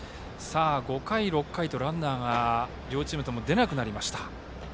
５回、６回とランナーが両チームとも出なくなりました。